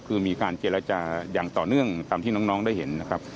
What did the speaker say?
คือมีการเจรจาอย่างต่อเนื่องตามที่น้องได้เห็นนะครับ